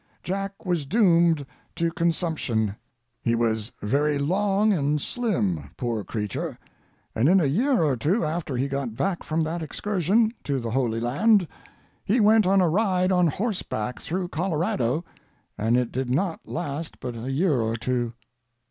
Jack was doomed to consumption. He was very long and slim, poor creature; and in a year or two after he got back from that excursion, to the Holy Land he went on a ride on horseback through Colorado, and he did not last but a year or two.